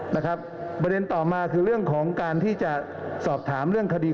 นะครับประเด็นต่อมาคือเรื่องของการที่จะสอบถามเรื่องคดี